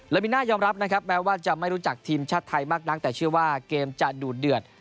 มิน่ายอมรับนะครับแม้ว่าจะไม่รู้จักทีมชาติไทยมากนักแต่เชื่อว่าเกมจะดูดเดือด